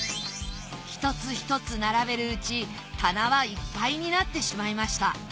一つ一つ並べるうち棚はいっぱいになってしまいました。